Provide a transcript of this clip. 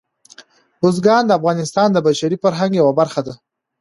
بزګان د افغانستان د بشري فرهنګ یوه برخه ده.